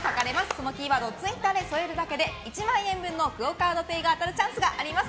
そのキーワードをツイッターで添えるだけで１万円分のＱＵＯカードＰａｙが当たるチャンスがあります。